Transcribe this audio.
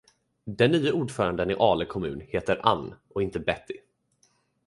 Den nye ordföranden i Ale kommun heter Anne och inte Betty.